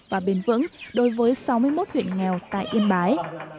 và bền vững đối với sáu mươi một huyện nghèo tại yên bái